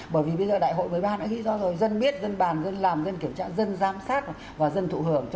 bởi vì bây giờ đại hội với ban đã ghi rõ rồi dân biết dân bàn dân làm dân kiểm tra dân giám sát và dân thụ hưởng